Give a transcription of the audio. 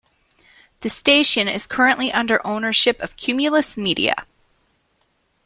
This station is currently under ownership of Cumulus Media.